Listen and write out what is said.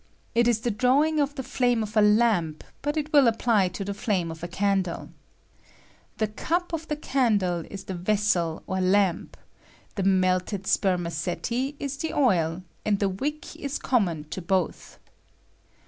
It is the drawing of the flame of a lamp, but it win apply to the flame of a candle. The cnp of the candle is the vessel or lamp ; the melted Spermaceti is the oil ; and the wick is common J ASCENDING OURRKNT OF HOT AIR. 31 ibo both.